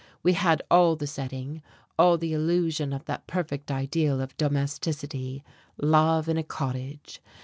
We had all the setting, all the illusion of that perfect ideal of domesticity, love in a cottage.